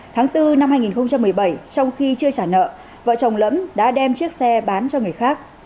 tháng bốn năm hai nghìn một mươi bảy trong khi chưa trả nợ vợ chồng lẫm đã đem chiếc xe bán cho người khác